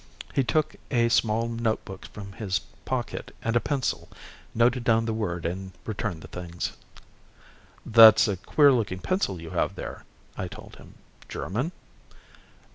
He took a small notebook from his pocket and a pencil, noted down the word and returned the things. "That's a queer looking pencil you have there," I told him. "German?"